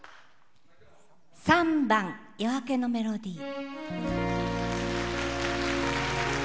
３番「夜明けのメロディー」。